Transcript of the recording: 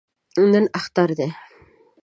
نن اختر دی